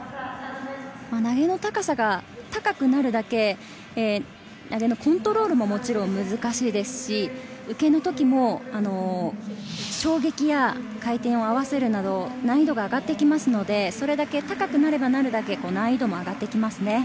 投げの高さが高くなるだけコントロールももちろん難しいですし、受けの時も衝撃や回転を合わせるなど難易度が上がってくるので高くなればなるだけ難易度が上がってきます。